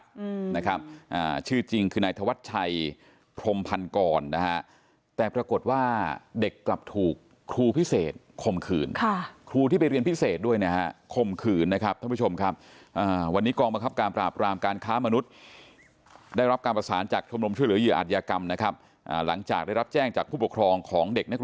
อืมนะครับอ่าชื่อจริงคือนายธวัชชัยพรมพันกรนะฮะแต่ปรากฏว่าเด็กกลับถูกครูพิเศษคมขืนค่ะครูที่ไปเรียนพิเศษด้วยนะฮะคมขืนนะครับท่านผู้ชมครับอ่าวันนี้กองบังคับการปราบรามการค้ามนุษย์ได้รับการประสานจากชมรมช่วยเหลือเหยื่ออัตยากรรมนะครับอ่าหลังจากได้รับแจ้งจากผู้ปกครองของเด็กน